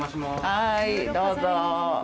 はいどうぞ。